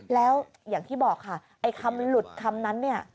แล้วอย่างที่บอกค่ะไอ้คำหลุดคำนั้นเนี่ย